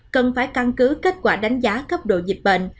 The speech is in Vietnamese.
cần phải căn cứ kết quả đánh giá cấp độ dịch bệnh